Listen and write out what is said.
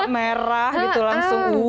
merah gitu langsung